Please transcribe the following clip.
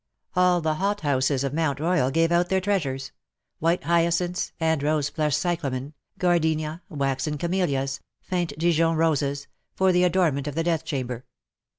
All the hot houses at Mount Royal gave out their treasures — white hyacinths, and rose flushed cyclamen, gardenia, waxen camellias, faint Dijonroses — for the adornment of the death chamber.